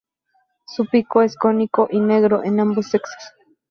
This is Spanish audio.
Su pico es cónico y negro en ambos sexos.